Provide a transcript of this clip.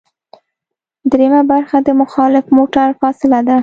دریمه برخه د مخالف موټر فاصله ده